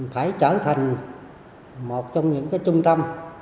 phải trở thành một trong những trung tâm